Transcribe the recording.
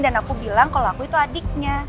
dan aku bilang kalau aku itu adiknya